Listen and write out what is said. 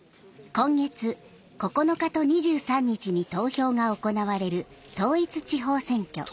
今月９日と２３日に投票が行われる統一地方選挙。